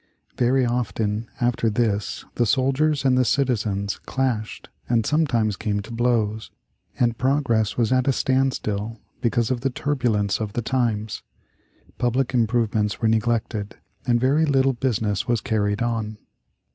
Very often after this the soldiers and the citizens clashed and sometimes came to blows, and progress was at a standstill because of the turbulence of the times. Public improvements were neglected and very little business was carried on.